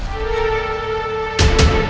dan aku perintahkan